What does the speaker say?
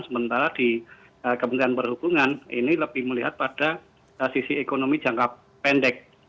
sementara di kementerian perhubungan ini lebih melihat pada sisi ekonomi jangka pendek